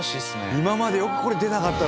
今までよくこれ出なかったな